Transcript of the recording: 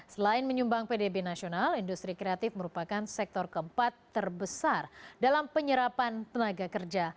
selain menyumbang pdb nasional industri kreatif merupakan sektor keempat terbesar dalam penyerapan tenaga kerja